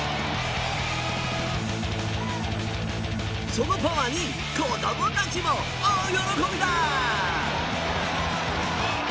そのパワーに子どもたちも大喜びだ！